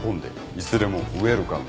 いつでもウエルカム。